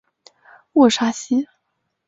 沃沙西。